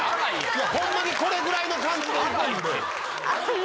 ホンマにこれぐらいの感じでいくんで。